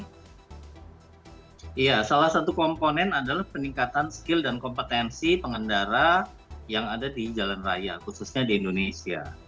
iya salah satu komponen adalah peningkatan skill dan kompetensi pengendara yang ada di jalan raya khususnya di indonesia